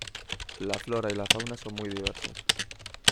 La flora y la fauna son muy diversas.